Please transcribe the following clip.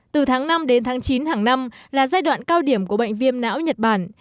từ tháng năm đến tháng chín hàng năm là giai đoạn cao điểm của bệnh viêm não nhật bản